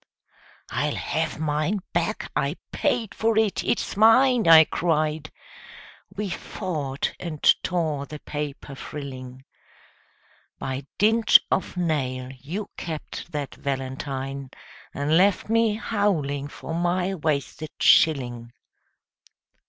" I'll have mine back I paid for it it's mine !" I cried. We fought and tore the paper frilling. By dint of nail you kept that valentine, And left me howling for my wasted shilling.